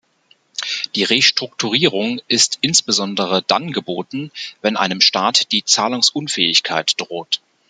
Die Restrukturierung ist insbesondere dann geboten, wenn einem Staat die Zahlungsunfähigkeit droht.